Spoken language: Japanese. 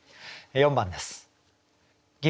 ４番です。